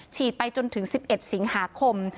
ไปจนถึง๑๑สิงหาคม